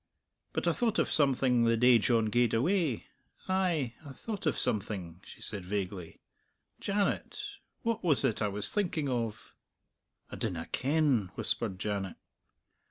But I thought of something the day John gaed away; ay, I thought of something," she said vaguely. "Janet, what was it I was thinking of?" "I dinna ken," whispered Janet.